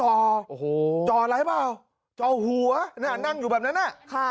โอ้โหจ่ออะไรเปล่าจ่อหัวน่ะนั่งอยู่แบบนั้นอ่ะค่ะ